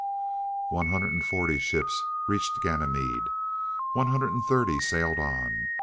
One hundred and forty ships reached Ganymede. One hundred and thirty sailed on.